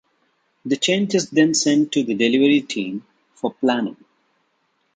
The change is then sent to the delivery team for planning.